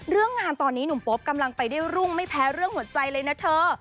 เรื่องงานตอนนี้หนุ่มโป๊ปกำลังไปได้รุ่งไม่แพ้เรื่องหัวใจเลยนะเธอ